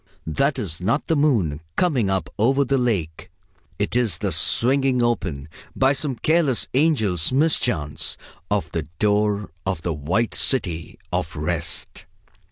That is not the moon coming up over the lake! It is the swinging open, by some careless angel's mischance, of the door of the White City of Rest!...